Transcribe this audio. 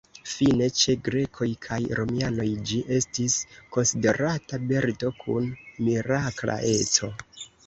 Fine, ĉe grekoj kaj romianoj ĝi estis konsiderata birdo kun mirakla eco.